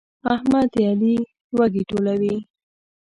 احمد د علي وږي ټولوي.